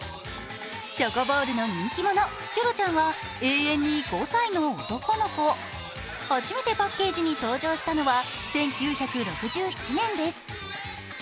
チョコボールの人気者、キョロちゃんは永遠に５歳の男の子初めてパッケージに登場したのは１９６７年です。